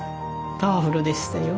パワフルでしたよ。